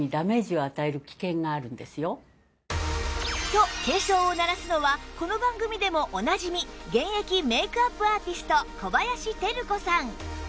と警鐘を鳴らすのはこの番組でもおなじみ現役メイクアップアーティスト小林照子さん